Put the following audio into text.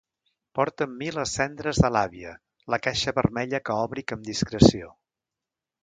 Porte amb mi les cendres de l'àvia, la caixa vermella que òbric amb discreció.